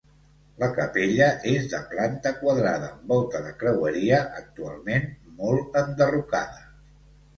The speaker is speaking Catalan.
La capella és de planta quadrada amb volta de creueria, actualment molt enderrocada.